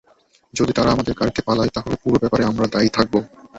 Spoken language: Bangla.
যদি তারা আমাদের গাড়িতে পালায়, তাহলে পুরো ব্যাপারে আমরা দায়ী থাকব।